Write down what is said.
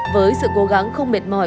với sự cố gắng không mệt mỏi